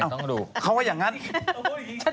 ทำไมต้องดูเขาว่าอย่างงั้นฉันชอบพูดแล้วนะ